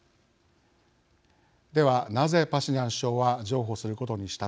ではなぜパシニャン首相は譲歩することにしたのでしょうか。